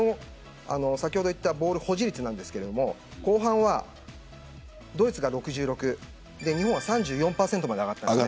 先ほど言ったボール保持率ですが後半はドイツが６６日本は３４％まで上がったんです。